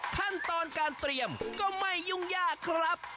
ขั้นตอนการเตรียมก็ไม่ยุ่งยากครับ